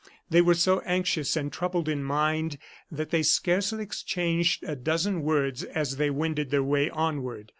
They were so anxious and troubled in mind that they scarcely exchanged a dozen words as they wended their way onward.